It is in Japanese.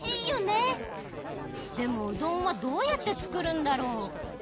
でもうどんはどうやって作るんだろう？